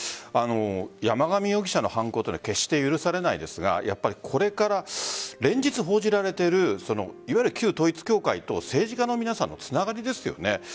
山上容疑者の犯行は決して許されないですがこれから連日報じられているいわゆる旧統一教会と政治家の皆さんのつながりですよね。